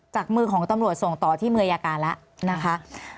จากมือของตำรวจส่งต่อที่มืออายการแล้วนะคะ